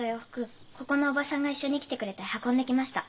ここのおばさんが一緒に来てくれて運んできました。